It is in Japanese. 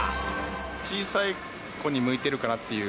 小さい子に向いてるかなっていう。